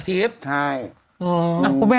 สุดแหม